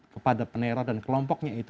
kepada penera dan kelompoknya itu